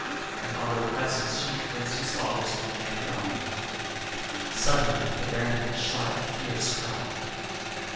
And Otto pressed his cheek against his father's and began crying. Suddenly the Baron gave a sharp, fierce cry.